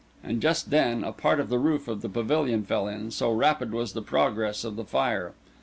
And just then, a part of the roof of the pavilion fell in, so rapid was the progress of the fire.